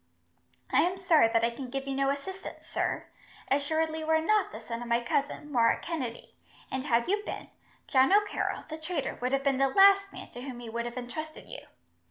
"I am sorry that I can give you no assistance, sir. Assuredly you are not the son of my cousin, Murroch Kennedy; and had you been, John O'Carroll, the traitor, would have been the last man to whom he would have entrusted you.